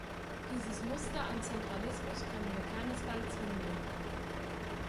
Dieses Muster an Zentralismus können wir keinesfalls hinnehmen.